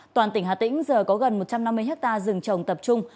toàn tỉnh hà tĩnh giờ có gần một trăm năm mươi hectare rừng trồng tập trung